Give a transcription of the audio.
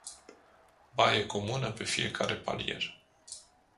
Baie comună pe fiecare palier.